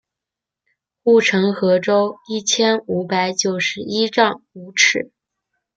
护城河周一千五百九十一丈五尺。